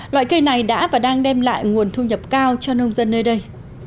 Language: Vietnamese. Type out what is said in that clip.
loại cây này đã và đang đem lại nguồn thu nhập cao cho nông dân nơi đây